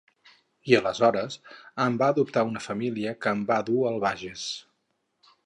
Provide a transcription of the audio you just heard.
I aleshores em va adoptar una família que em va dur al Bages.